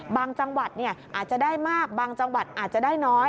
จังหวัดอาจจะได้มากบางจังหวัดอาจจะได้น้อย